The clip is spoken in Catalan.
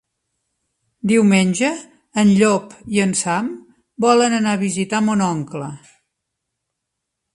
Diumenge en Llop i en Sam volen anar a visitar mon oncle.